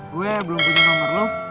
gue belum punya nomor lo